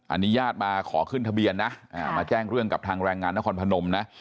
อันนี้ญาติมาขอขึ้นทะเบียนนะมาแจ้งเรื่องกับทางแรงงานนครพนมนะ